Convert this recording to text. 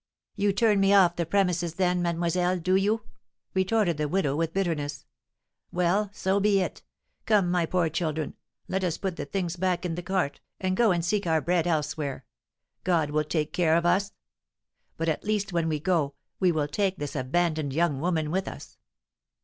"You turn me off the premises then, mademoiselle, do you?" retorted the widow with bitterness. "Well, so be it. Come, my poor children, let us put the things back in the cart, and go and seek our bread elsewhere. God will take care of us. But, at least, when we go, we will take this abandoned young woman with us.